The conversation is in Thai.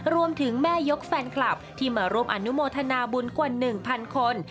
แม่ยกแฟนคลับที่มาร่วมอนุโมทนาบุญกว่า๑๐๐คน